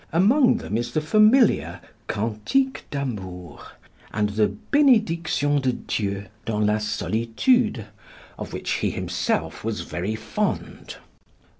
Among them is the familiar "Cantique d'Amour," and the "Benediction de Dieu dans la solitude," of which he himself was very fond.